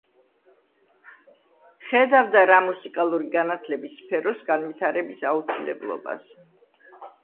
ხედავდა რა მუსიკალური განათლების სფეროს განვითარების აუცილებლობას.